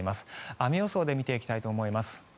雨予想で見ていきたいと思います。